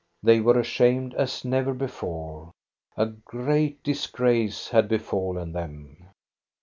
They were ashamed as never before. A great disgrace had befallen them.